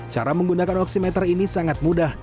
cara menggunakan oksimeter ini sangat mudah